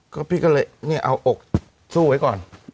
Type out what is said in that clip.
ก็พี่ก็เลยเนี่ยเอาอกสู้ไว้ก่อน